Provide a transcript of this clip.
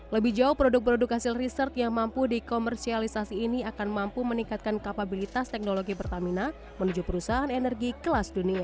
lebih jauh produk produk hasil riset yang mampu dikomersialisasi ini akan mampu meningkatkan kapabilitas teknologi pertamina menuju perusahaan energi kelas dunia